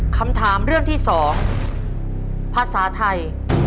คำถามเรื่องที่๒ภาษาไทย